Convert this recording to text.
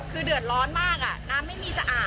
คือเดือดร้อนมากน้ำไม่มีสะอาด